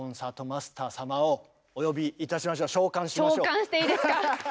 召喚していいですか？